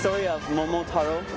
桃太郎！